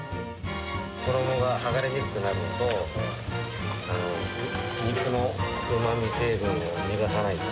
衣が剥がれにくくなるのと、肉のうまみ成分を逃がさない。